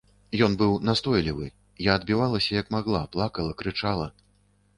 Ён быў настойлівы, я адбівалася як магла, плакала, крычала.